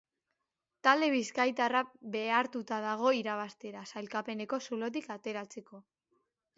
Talde bizkaitarra behartuta dago irabaztera sailkapeneko zulotik ateratzeko.